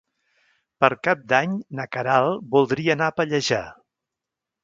Per Cap d'Any na Queralt voldria anar a Pallejà.